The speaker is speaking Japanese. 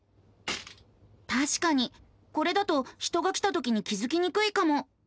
たしかにこれだと人が来たときに気付きにくいかも。